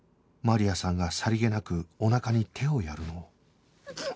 マリアさんがさりげなくおなかに手をやるのを